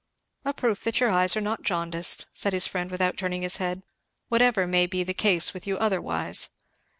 "A proof that your eyes are not jaundiced," said his friend without turning his head, "whatever may be the case with you otherwise.